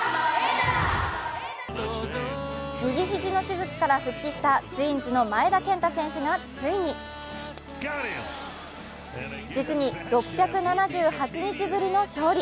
右ひじの手術から復帰したツインズの前田健太選手がついに実に６７８日ぶりの勝利。